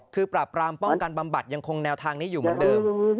คือปราบรามป้องกันบำบัดยังคงแนวทางนี้อยู่เหมือนเดิม